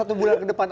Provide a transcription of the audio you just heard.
satu bulan ke depan